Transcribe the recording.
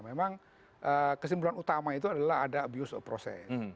memang kesimpulan utama itu adalah ada abuse of process